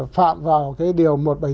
phạm vào cái điều một trăm bảy mươi bốn